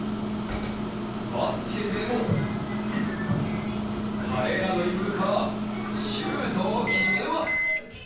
バスケでも華麗なドリブルからシュートを決めます。